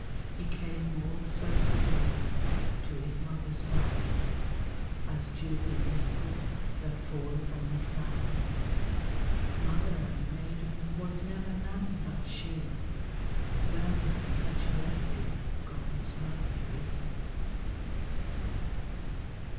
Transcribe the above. He came all so still To His mother's bower, As dew in April That falleth on the flower. Mother and maiden Was never none but she! Well might such a lady God's mother be.